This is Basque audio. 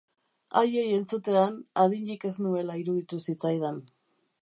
Haiei entzutean, adinik ez nuela iruditu zitzaidan.